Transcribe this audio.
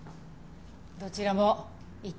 どちらも一致せず。